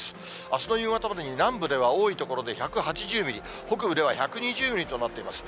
あすの夕方までに南部では多い所で１８０ミリ、北部では１２０ミリとなっています。